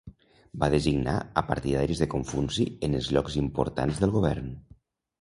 Va designar a partidaris de Confuci en els llocs importants del govern.